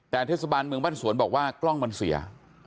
แต่เทศบาลเมืองบ้านสวนบอกว่ากล้องมันเสีย